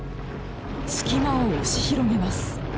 隙間を押し広げます。